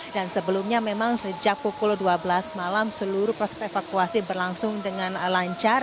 dan sebelumnya memang sejak pukul dua belas malam seluruh proses evakuasi berlangsung dengan lancar